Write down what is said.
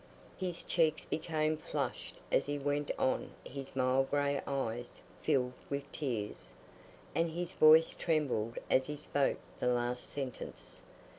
His cheeks became flushed as he went on, his mild grey eyes filled with tears, and his voice trembled as he spoke the last sentence.